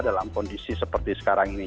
dalam kondisi seperti sekarang ini